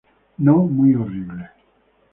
No muy horrible.